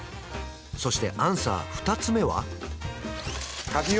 そしてアンサー二つ目は？